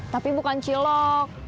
tapi bukan cilok